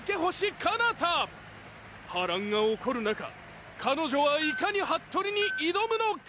波乱が起こる中彼女はいかにＨＡＴＴＯＲＩに挑むのか！？